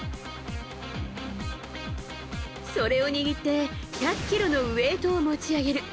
それを握って１００ｋｇのウェートを持ち上げる。